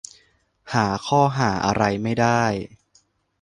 หาข้อหาอะไรไม่ได้